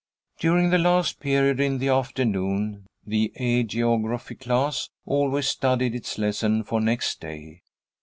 During the last period in the afternoon, the A Geography class always studied its lesson for next day.